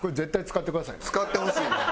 使ってほしいねや。